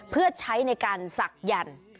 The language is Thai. เพื่อใช้ในการศักดิ์